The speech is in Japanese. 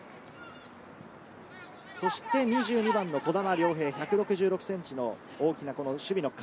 ２２番の児玉遼平、１６６ｃｍの大きな守備の要。